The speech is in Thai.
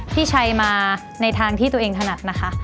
พี่ชัยมาในทางที่ตัวเองถนัดนะคะ